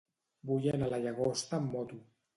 Vull anar a la Llagosta amb moto.